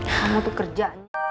kamu tuh kerja